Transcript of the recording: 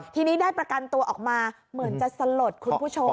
ทีนี้ได้ประกันตัวออกมาเหมือนจะสลดคุณผู้ชม